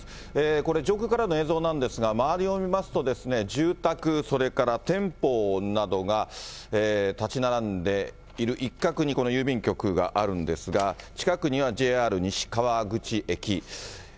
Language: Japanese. これ、上空からの映像なんですが、周りを見ますと、住宅それから店舗などが建ち並んでいる一角にこの郵便局があるんですが、近くにはＪＲ西川口駅。